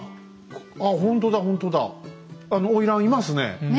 あの花魁いますね。